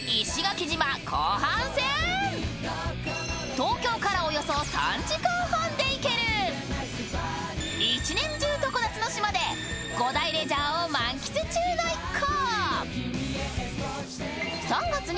東京からおよそ３時間半で行ける１年中、常夏の島で５大レジャーを満喫中の一行。